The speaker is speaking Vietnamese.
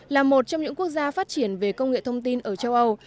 là một trong những quốc gia phát triển về công nghệ thông tin ở châu âu